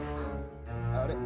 あれ？